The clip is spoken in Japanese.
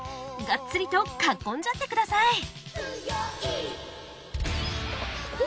がっつりとかっこんじゃってください。